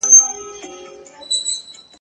چي نجات له ابوجهله رانصیب کړي ..